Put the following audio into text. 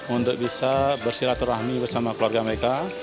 untuk bisa bersirat rahmi bersama keluarga mereka